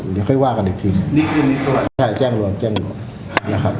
เดี๋ยวค่อยว่ากันอีกทีนี่คือมีส่วนใช่แจ้งรวมแจ้งรวมนะครับ